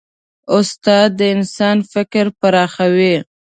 استاد د انسان فکر پراخوي.